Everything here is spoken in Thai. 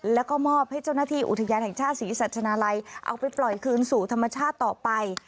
แล้วก็มอบให้เจ้าหน้าที่อุทยานแห่งชาติศรีสัชนาลัยเอาไปปล่อยคืนสู่ธรรมชาติต่อไป